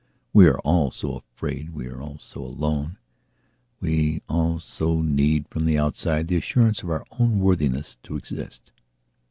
We are all so afraid, we are all so alone, we all so need from the outside the assurance of our own worthiness to exist.